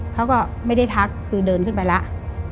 เขาก็ไม่ได้ทักคือเดินขึ้นไปแล้ว